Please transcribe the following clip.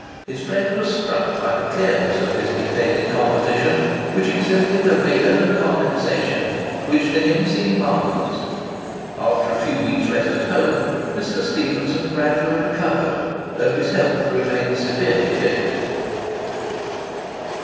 His friend was struck by the clearness of his dictated composition, which exhibited a vigour and condensation which to him seemed marvellous. After a few weeks' rest at home, Mr. Stephenson gradually recovered, though his health remained severely shaken.